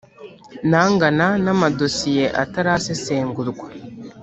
ni angana na Amadosiye atarasesengurwa